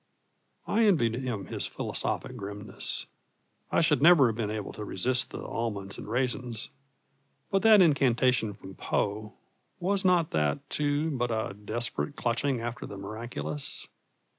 I envied him his philosophic grimness: I should never have been able to resist the almonds and raisins. But that incantation from Poe was not that, too, but a desperate clutching after the miraculous?